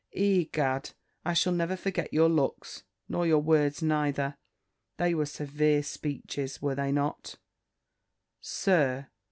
_ Egad! I shall never forget your looks, nor your words neither! they were severe speeches, were they not, Sir?"